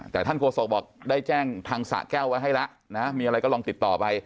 แต่ท่านโฆษกบอกได้แจ้งทางสะแก้วไว้ให้แล้วนะมีอะไรก็ลองติดต่อไป